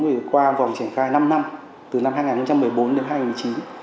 thì qua vòng triển khai năm năm từ năm hai nghìn một mươi bốn đến hai nghìn một mươi chín